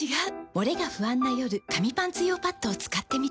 モレが不安な夜紙パンツ用パッドを使ってみた。